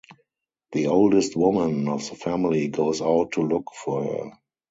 The oldest woman of the family goes out to look for her.